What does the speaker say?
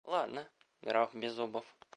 Ландо — граф Беззубов.